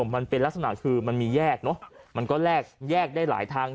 มันเป็นลักษณะคือมันมีแยกเนอะมันก็แลกแยกได้หลายทาง